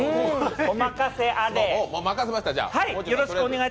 お任せあれ。